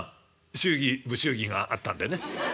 祝儀不祝儀があったんでね」。